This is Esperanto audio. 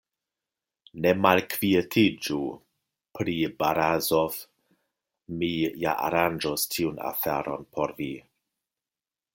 Ne malkvietiĝu pri Barazof; mi ja aranĝos tiun aferon por vi.